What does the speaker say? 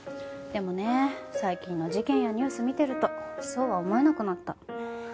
でもね最近の事件やニュース見てるとそうは思えなくなった。